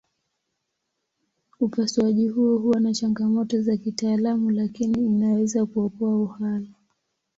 Upasuaji huo huwa na changamoto za kitaalamu lakini inaweza kuokoa uhai.